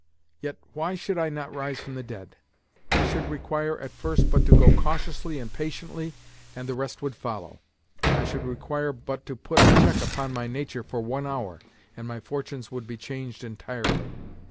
Yet why should I not rise from the dead? I should require at first but to go cautiously and patiently and the rest would follow. I should require but to put a check upon my nature for one hour, and my fortunes would be changed entirely.